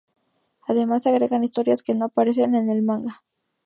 Además se agregan historias que no aparecen en el manga.